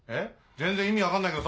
全然意味分かんないけどさ